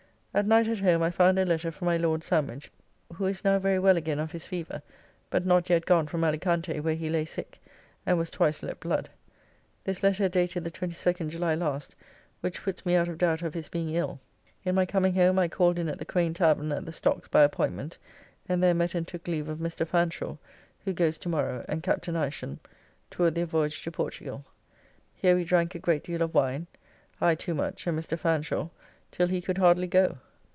At night at home I found a letter from my Lord Sandwich, who is now very well again of his feaver, but not yet gone from Alicante, where he lay sick, and was twice let blood. This letter dated the 22nd July last, which puts me out of doubt of his being ill. In my coming home I called in at the Crane tavern at the Stocks by appointment, and there met and took leave of Mr. Fanshaw, who goes to morrow and Captain Isham toward their voyage to Portugal. Here we drank a great deal of wine, I too much and Mr. Fanshaw till he could hardly go.